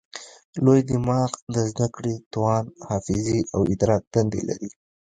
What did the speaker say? لوی دماغ د زده کړې، توان، حافظې او ادراک دندې لري.